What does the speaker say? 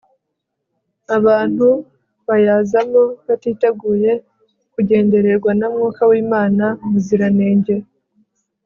abantu bayazamo batiteguye kugendererwa na mwuka w'imana muziranenge